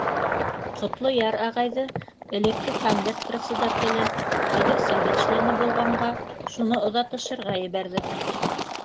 Ҡотлояр ағайҙы, элекке комбед председателе, хәҙер совет члены булғанға, шуны оҙатышырға ебәрҙек.